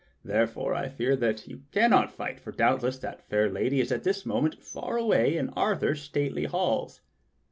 Therefore I fear you cannot fight, for doubtless that fair lady is at this moment far away in Arthur's stately halls."